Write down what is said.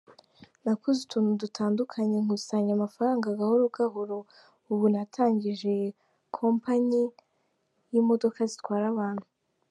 Nakoze utuntu dutandukanye, nkusanya amafaranga gahora gahoro, ubu natangije kompanyi y’imodoka zitwara abantu.